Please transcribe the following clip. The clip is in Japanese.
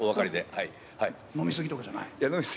飲み過ぎとかじゃない？